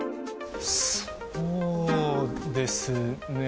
そうですね。